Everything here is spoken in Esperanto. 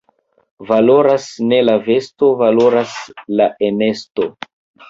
Valoras ne la vesto, valoras la enesto.